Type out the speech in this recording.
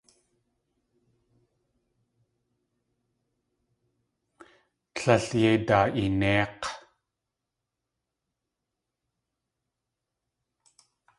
Líl yéi daa.eenéik̲!